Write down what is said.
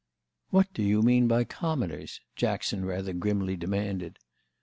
"What do you mean by commoners?" Jackson rather grimly demanded.